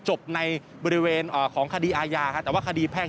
จบในบริเวณของคดีอาญาแต่ว่าคดีแพ่ง